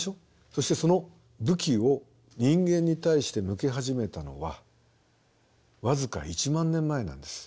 そしてその武器を人間に対して向け始めたのは僅か１万年前なんです。